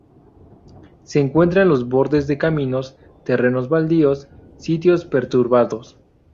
Se encuentra en los bordes de caminos, terrenos baldíos, sitios perturbados.